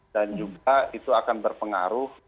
dan juga itu akan berpengaruh